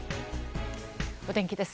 お天気です。